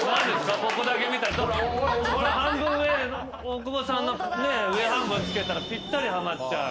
大久保さんのね上半分つけたらぴったりはまっちゃう。